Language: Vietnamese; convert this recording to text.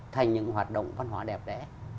thành những hoạt động văn hóa đẹp đẽ